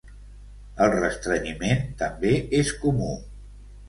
El restrenyiment també és comú.